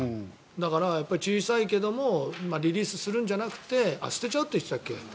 だから、小さいけどもリリースするんじゃなくて捨てちゃうって言ってたっけ？